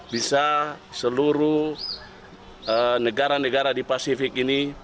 bisa seluruh negara negara di pasifik ini